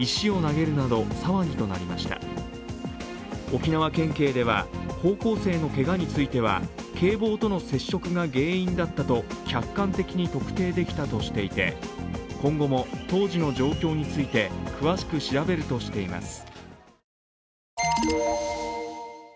沖縄県警では、高校生のけがについては警棒との接触が原因だったと客観的に特定できたとして今後も当時の状況について詳しく調べるとしています。